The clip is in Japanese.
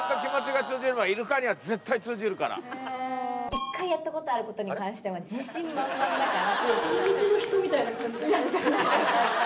１回やったことあることに関しては自信満々だから。